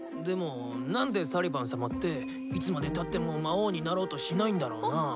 でも何でサリバン様っていつまでたっても魔王になろうとしないんだろうな？